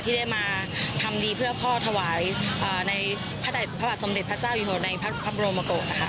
ที่ได้มาทำดีเพื่อพ่อถวายในพระบาทสมเด็จพระเจ้าอยู่หัวในพระบรมโกศนะคะ